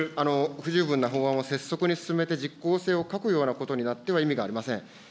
不十分な法案を拙速に進めて実効性を欠くことになっては意味がありません。